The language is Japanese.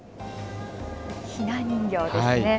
ひな人形ですね。